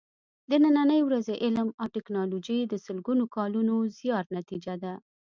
د نننۍ ورځې علم او ټېکنالوجي د سلګونو کالونو د زیار نتیجه ده.